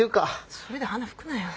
それで鼻拭くなよ。